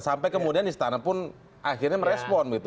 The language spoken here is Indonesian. sampai kemudian di setanah pun akhirnya merespon gitu